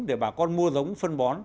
để bà con mua giống phân bón